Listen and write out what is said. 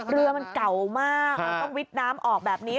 เรือมันเก่ามากมันต้องวิดน้ำออกแบบนี้